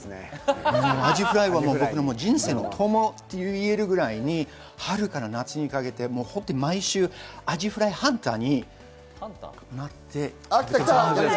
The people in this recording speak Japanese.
アジフライは僕の人生の友と言えるくらいに、春から夏にかけて毎週、アジフライハンターになって。